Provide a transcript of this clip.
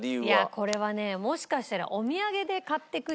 これはねもしかしたら。